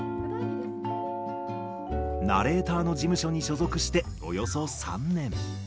ナレーターの事務所に所属しておよそ３年。